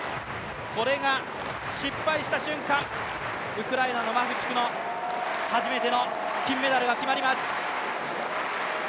これが失敗した瞬間、ウクライナのマフチクの初めての金メダルが決まります。